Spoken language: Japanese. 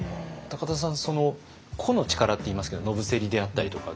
田さんその個の力っていいますけど野伏であったりとか。